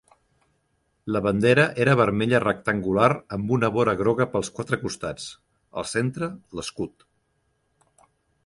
La bandera era vermella rectangular amb una vora groga pels quatre costats; al centre, l'escut.